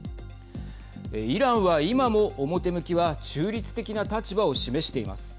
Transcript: イランは今も表向きは中立的な立場を示しています。